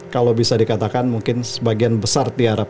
kalau bisa dikatakan mungkin sebagian besar diharap